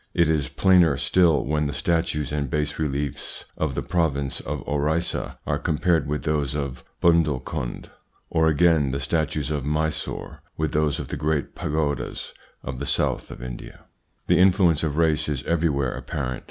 It is plainer still when the statues and bas reliefs of the province of Orissa are compared with those of Bundelkund, or, again, the statues of Mysore with those of the great pagodas of the South of India. The influence of race is everywhere apparent.